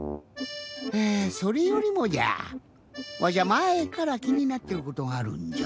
それよりもじゃわしゃまえからきになってることがあるんじゃ。